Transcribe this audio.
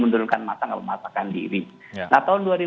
sebelum ke tahun politik nanti